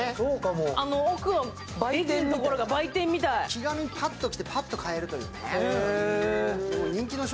気軽にパッと来てパッと買えるっていうね。